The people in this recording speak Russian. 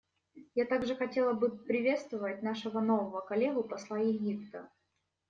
Я также хотела бы приветствовать нашего нового коллегу — посла Египта.